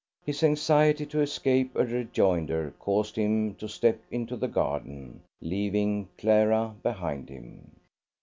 His anxiety to escape a rejoinder caused him to step into the garden, leaving Clara behind him.